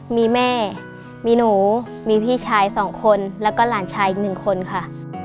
มีแม่มีหนูมีพี่ชาย๒คนแล้วก็หลานชายอีกหนึ่งคนค่ะ